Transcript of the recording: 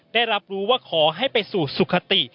ได้รับรู้ว่าขอให้ไปสู่สุขติ